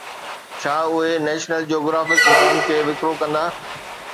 ڇا اهي National Geographic ماڻهن کي وڪرو ڪندا؟